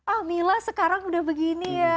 ah mila sekarang udah begini ya